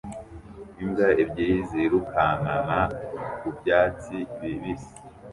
Imbwa ebyiri zirukankana ku byatsi bibisi